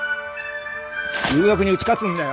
誘惑に打ち勝つんだよ。